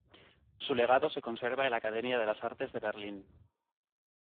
Su legado se conserva en la Academia de las Artes de Berlín.